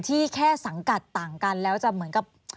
แค่สังกัดต่างกันแล้วจะเหมือนกับ